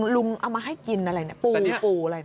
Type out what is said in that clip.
ลุงเอามาให้กินอะไรปูอะไร